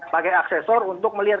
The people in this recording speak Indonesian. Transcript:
pakai aksesor untuk melihat